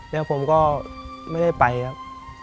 แล้วผมก็ไม่ได้ไปครับ